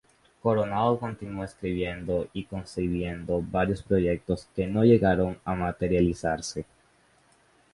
Coronado continuó escribiendo y concibiendo varios proyectos que no llegaron a materializarse.